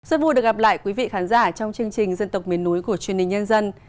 rất vui được gặp lại quý vị khán giả trong chương trình dân tộc miền núi của truyền hình nhân dân